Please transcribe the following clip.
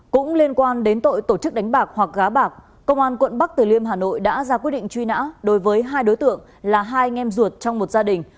công an quận bắc tử liêm hà nội đã ra quyết định truy nã đối với hai đối tượng là hai nghem ruột trong một gia đình